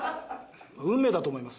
運命だと思います。